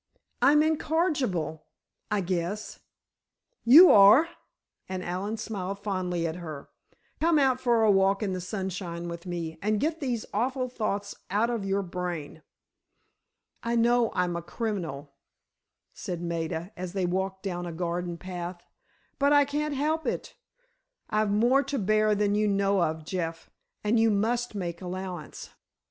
"I'm incorrigible, I guess——" "You are!" and Allen smiled fondly at her. "Come out for a walk in the sunshine with me, and get these awful thoughts out of your brain." "I know I'm a criminal," said Maida, as they walked down a garden path; "but I can't help it. I've more to bear than you know of, Jeff, and you must make allowance."